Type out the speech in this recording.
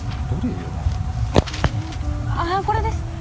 ああこれです！